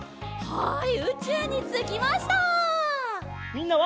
はい。